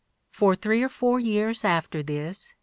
. For three or four years after this